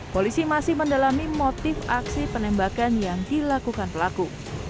polisi masih mendalami motif aksi penembakan yang dilakukan pelaku